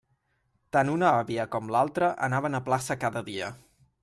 Tant una àvia com l'altra anaven a pla-ça cada dia.